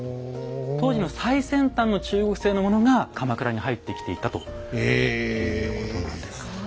当時の最先端の中国製のものが鎌倉に入ってきていたということなんです。